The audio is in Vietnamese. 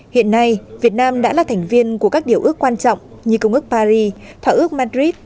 hiện nay việt nam đã là thành viên của các điều ước quan trọng như công ước paris thỏa ước madrid